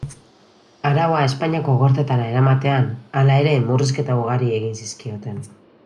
Araua Espainiako Gorteetara eramatean, hala ere, murrizketa ugari egin zizkioten.